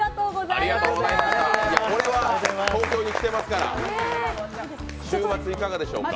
これは東京に来てますから週末にいかがでしょうか。